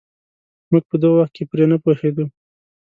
موږ په دغه وخت کې پرې نه پوهېدو.